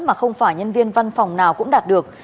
mà không phải nhân viên văn phòng nào cũng đạt được